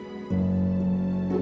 mas jos menghindar